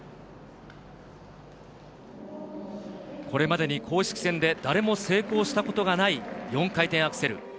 これまでに公式戦で誰も成功したことがない４回転アクセル。